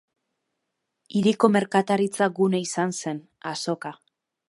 Hiriko merkataritza-gune izan zen, azoka.